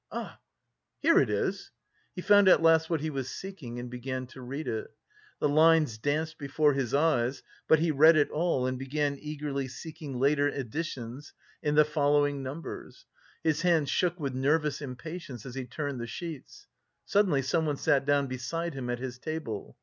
Ah, here it is!" He found at last what he was seeking and began to read it. The lines danced before his eyes, but he read it all and began eagerly seeking later additions in the following numbers. His hands shook with nervous impatience as he turned the sheets. Suddenly someone sat down beside him at his table.